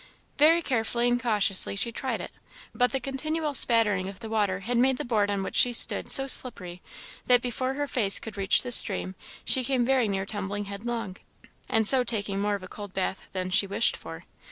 Very carefully and cautiously she tried it, but the continual spattering of the water had made the board on which she stood so slippery, that before her face could reach the stream, she came very near tumbling headlong, and so taking more of a cold bath than she wished for.